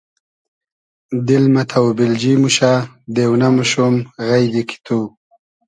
دیل مۂ تۆبیلجی موشۂ دېونۂ موشوم غݷدی کی تو